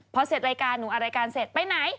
พอเสร็จรายการหนูอัดรายการเสร็จไปไหน